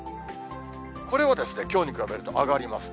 これもきょうに比べると上がりますね。